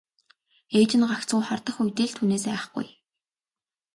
Ээж нь гагцхүү хардах үедээ л түүнээс айхгүй.